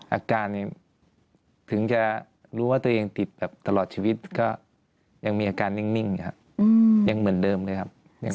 อาการถึงจะรู้ว่าตัวเองติดแบบตลอดชีวิตก็ยังมีอาการนิ่งอยู่ครับยังเหมือนเดิมเลยครับ